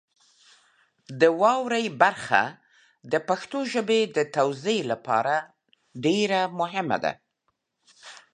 د واورئ برخه د پښتو ژبې د توزیع لپاره ډېره مهمه ده.